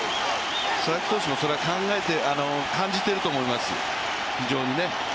佐々木投手も感じてると思います、非常に。